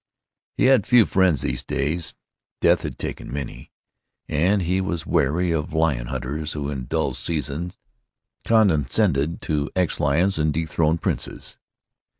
He had few friends these days. Death had taken many; and he was wary of lion hunters, who in dull seasons condescend to ex lions and dethroned princes.